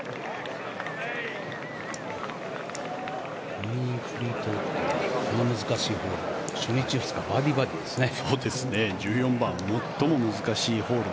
トミー・フリートウッドはこの難しいホール初日、２日バーディー、バーディーですね。